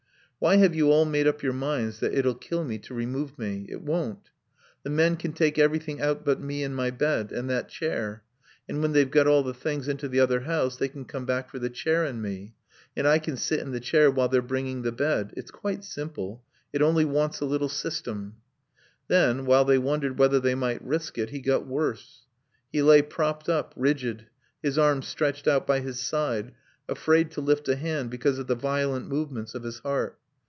"Why have you all made up your minds that it'll kill me to remove me? It won't. The men can take everything out but me and my bed and that chair. And when they've got all the things into the other house they can come back for the chair and me. And I can sit in the chair while they're bringing the bed. It's quite simple. It only wants a little system." Then, while they wondered whether they might risk it, he got worse. He lay propped up, rigid, his arms stretched out by his side, afraid to lift a hand because of the violent movements of his heart.